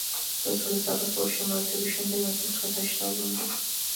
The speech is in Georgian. დასავლეთ საქართველოს შემოერთების შემდეგ მეფე მცხეთაში დაბრუნდა.